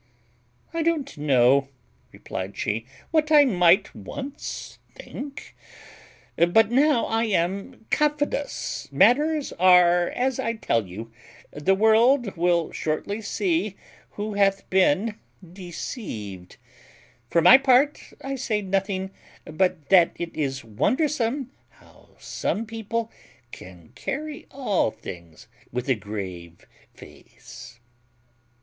"I don't know," replied she, "what I might once think; but now I am confidous matters are as I tell you; the world will shortly see who hath been deceived; for my part, I say nothing, but that it is wondersome how some people can carry all things with a grave face."